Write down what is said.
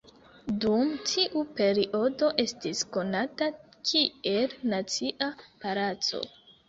Dum tiu periodo estis konata kiel Nacia Palaco.